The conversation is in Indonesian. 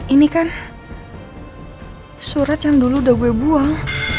ini kan surat yang dulu udah gue buang